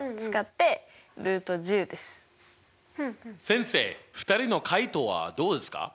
先生２人の解答はどうですか？